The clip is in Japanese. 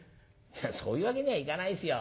「そういうわけにはいかないですよ。